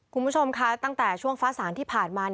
คุณผู้ชมคะตั้งแต่ช่วงฟ้าสางที่ผ่านมา